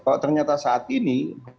kalau ternyata saat ini